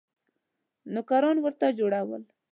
نوکران ورڅخه جوړول.